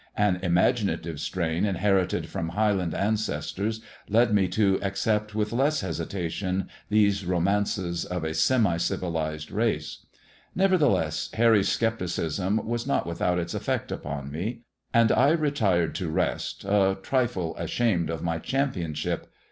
An imaginative strain, inherited from Highland ancestors, led me to accept with less hesitation these romances of a semi civilized race. Nevertheless Harry's scepticism was not without its effect upon me, and I retired to rest a trifle ashamed of my championship.